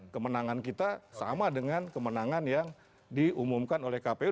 kemenangan kita sama dengan kemenangan yang diumumkan oleh kpu